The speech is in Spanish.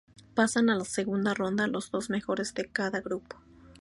Pasan a la segunda ronda los dos mejores de cada grupo.